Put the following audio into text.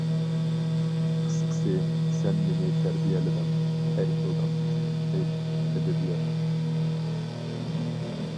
قىسقىسى، سەن مېنى تەربىيەلىدىڭ، ئەي قىلدىڭ، ئەي ئەدەبىيات!